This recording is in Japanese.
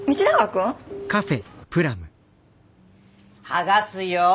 剥がすよ。